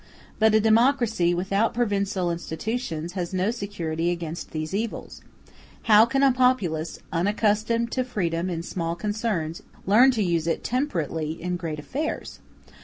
But a democracy without provincial institutions has no security against these evils. How can a populace, unaccustomed to freedom in small concerns, learn to use it temperately in great affairs?